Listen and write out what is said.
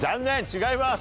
違います。